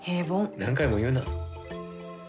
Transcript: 何回も言うな。